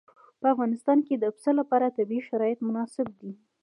په افغانستان کې د پسه لپاره طبیعي شرایط مناسب دي.